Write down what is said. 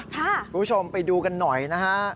คุณผู้ชมไปดูกันหน่อยนะฮะ